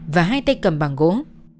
và hai tay cầm bằng gỗ